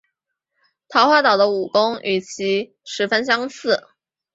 桃花岛的武功与其十分相似。